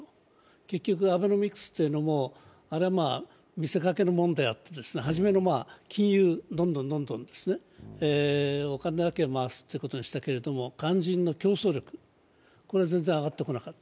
結局アベノミクスも、あれは見せかけのもんであって初めの金融、どんどんどんどんですね、お金だけを回すことをしたけど肝心の競争力が全然上ってこなかった。